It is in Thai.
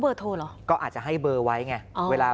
เพราะคนที่เป็นห่วงมากก็คุณแม่ครับ